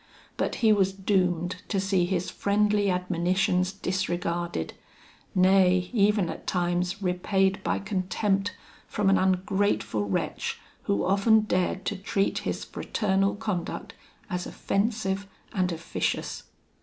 But he was doomed to see his friendly admonitions disregarded; nay, even at times repaid by contempt from an ungrateful wretch, who often dared to treat his fraternal conduct as offensive and officious.